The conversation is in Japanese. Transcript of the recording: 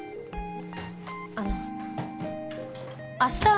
あの明日